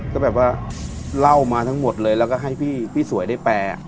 ก็แบบว่าเล่ามาทั้งหมดเลยแล้วก็ให้พี่สวยได้แปล